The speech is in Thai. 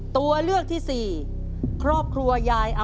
ตัวเลือกที่สามครอบครัวแม่ญาติฝน